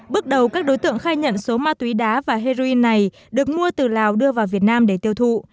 bước đầu các đối tượng khai nhận số ma túy đá và heroin này được mua từ lào đưa vào việt nam để tiêu thụ